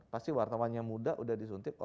pasti wartawan yang muda sudah disuntik